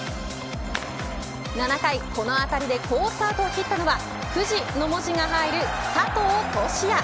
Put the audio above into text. ７回、この当たりで好スタートを切ったのは藤の文字が入る佐藤都志也。